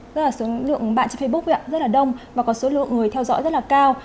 tức là số lượng bạn trên facebook rất là đông và có số lượng người theo dõi rất là cao